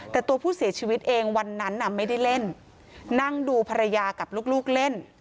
แต่ตัวผู้เสียชีวิตเองวันนั้นไม่ได้เล่นนั่งดูภรรยากับลูกเล่น